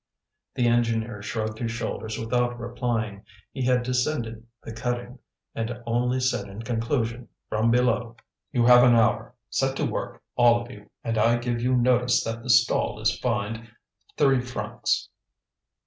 The engineer shrugged his shoulders without replying. He had descended the cutting, and only said in conclusion, from below: "You have an hour. Set to work, all of you; and I give you notice that the stall is fined three francs."